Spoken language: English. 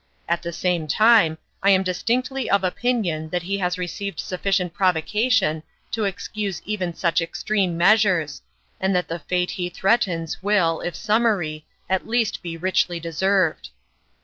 At the same time, I am distinctly of opinion that he has received sufficient provocation to excuse even such ex treme measures, and that the fate he threatens will, if summary, at least be richly deserved."